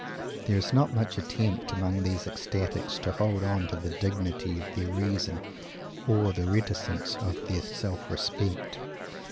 There is not much attempt among these ecstatics to hold on to the dignity of their reason or the reticence of their self respect.